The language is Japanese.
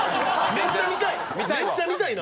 めっちゃ見たいな。